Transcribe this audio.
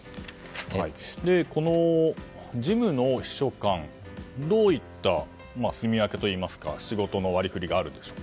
この事務の秘書官どういったすみわけといいますか仕事の割り振りがあるんでしょうか。